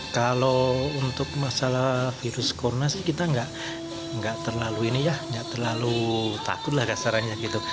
kalau untuk masalah virus corona sih kita nggak terlalu ini ya nggak terlalu takut lah kasarannya gitu